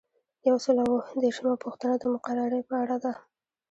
یو سل او اووه دیرشمه پوښتنه د مقررې په اړه ده.